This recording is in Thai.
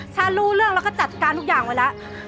ถ้ารู้เรื่องเราก็จัดการทุกอย่างไว้แล้ว